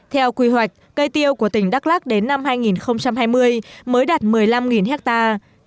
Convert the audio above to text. theo quy hoạch cây tiêu của tỉnh đắk lắc đến năm hai nghìn hai mươi mới đạt một mươi năm hectare